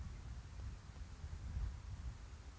asal sekolah sma negeri delapan